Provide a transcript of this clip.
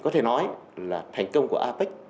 có thể nói là thành công của apec